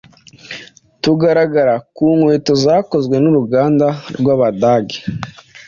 tugaragara ku nkweto zakozwe n’uruganda rw’abadage